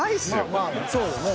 まあまあそうよね。